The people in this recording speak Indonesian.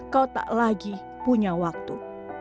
kau tak lagi punya waktu